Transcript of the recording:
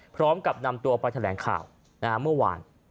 พร้อมกับนำตัวไปแถลงข่าวเมื่อวาน